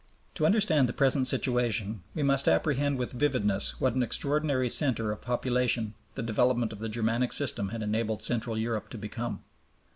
To understand the present situation, we must apprehend with vividness what an extraordinary center of population the development of the Germanic system had enabled Central Europe to become.